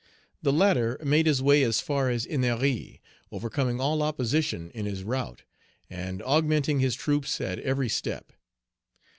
The latter made his way as far as Ennery, overcoming all opposition in his route, and augmenting his troops at every step.